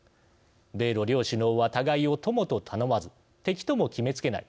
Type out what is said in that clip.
米ロ両首脳は互いを友と頼まず敵とも決めつけない。